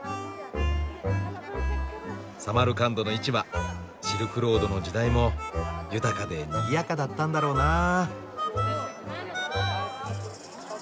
サマルカンドの市場シルクロードの時代も豊かでにぎやかだったんだろうなあ。